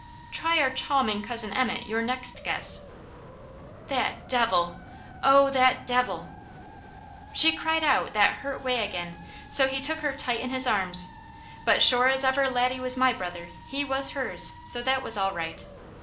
"Try our chawming cousin Emmet your next guess!" "That devil! Oh that devil!" She cried out that hurt way again, so he took her tight in his arms; but sure as ever Laddie was my brother, he was hers, so that was all right.